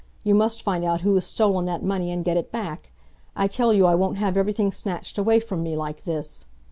You must find out who has stolen that money and get it back. I tell you I won't have everything snatched away from me like this!"